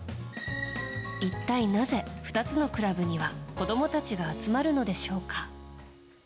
一体、なぜ２つのクラブには子供たちが集まるのでしょうか。